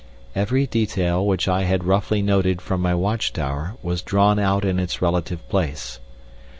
Every detail which I had roughly noted from my watch tower was drawn out in its relative place.